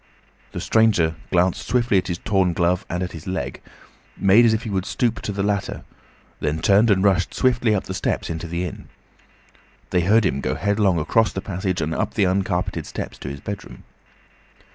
The stranger glanced swiftly at his torn glove and at his leg, made as if he would stoop to the latter, then turned and rushed swiftly up the steps into the inn. They heard him go headlong across the passage and up the uncarpeted stairs to his bedroom.